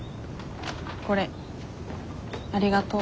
これありがとう。